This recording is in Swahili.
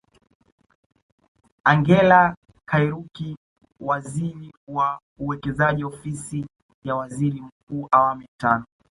Angellah Kairuki waziri wa Uwekezaji Ofisi ya Waziri mkuu awamu ya tano